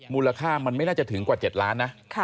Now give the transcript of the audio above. มูลค่ามันไม่น่าจะถึงกว่า๗ล้านนะ